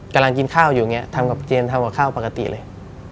กำลังกินข้าวอยู่อย่างนี้ทำกับเจนทำกับข้าวปกติเลย